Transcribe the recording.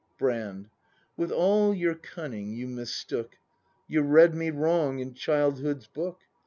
Brand. With all your cunning you mistook; You read me wrong in childhood's book.